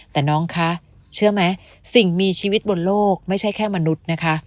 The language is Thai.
แต่น้องคะเชื่อไหมสิ่งมีชีวิตบนโลกไม่ใช่แค่มนุษย์นะคะ